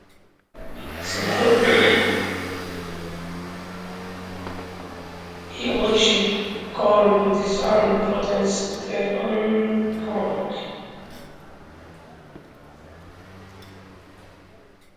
He abolished corn duties and patronized trade and commerce.